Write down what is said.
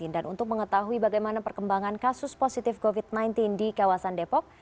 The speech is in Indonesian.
dan untuk mengetahui bagaimana perkembangan kasus positif covid sembilan belas di kawasan depok